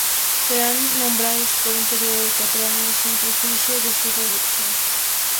Serán nombrados por un periodo de cuatro años, sin perjuicio de su reelección.